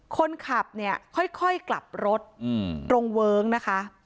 คนขับเนี่ยค่อยกลับรถตรงเวิ้งนะคะ